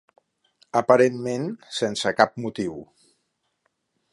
Aparentment sense cap motiu